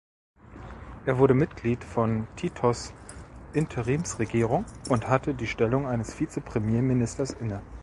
Er wurde Mitglied von Titos Interimsregierung und hatte die Stellung eines Vize-Premierministers inne.